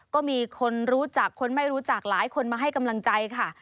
ก็มีคนรู้จักคนไม่รู้จักหลายคนมาให้กำลังใจค่ะ